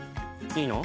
いいの？